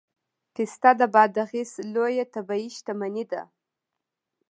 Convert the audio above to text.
پسته د بادغیس لویه طبیعي شتمني ده